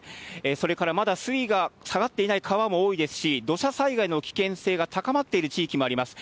それからまだ水位が下がっていない川も多いですし、土砂災害の危険性が高まっている地域もあります。